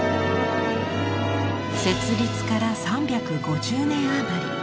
設立から３５０年あまり。